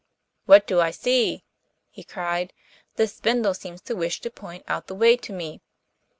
'What do I see?' he cried; 'this spindle seems to wish to point out the way to me.